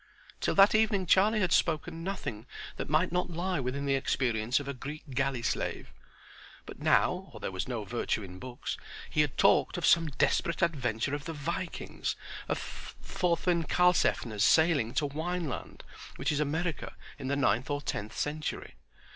Till that evening Charlie had spoken nothing that might not lie within the experiences of a Greek galley slave. But now, or there was no virtue in books, he had talked of some desperate adventure of the Vikings, of Thorfin Karlsefne's sailing to Wineland, which is America, in the ninth or tenth century.